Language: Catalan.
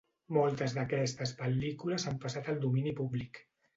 Moltes d'aquestes pel·lícules han passat al domini públic.